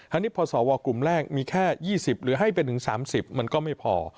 อันนี้พอสวกลุ่มแรกมีแค่๒๐หรือให้ไปถึง๓๐มันก็ไม่พอ